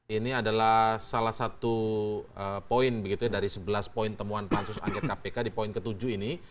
ini adalah salah satu poin begitu ya dari sebelas poin temuan pansus angket kpk di poin ke tujuh ini